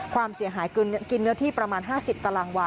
ความเสียหายกินเนื้อที่ประมาณ๕๐ตารางวา